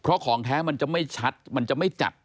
เพราะของแท้มันจะไม่ชัดมันจะไม่จัด